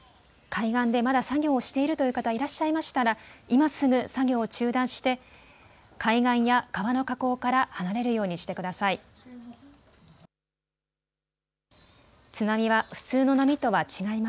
海岸でまだ作業をしているという方、いらっしゃいましたら、今すぐ作業を中断して海岸や川の河口から離れるようにしてください。